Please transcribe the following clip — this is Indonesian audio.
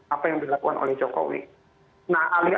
apa yang dilakukan oleh jokowi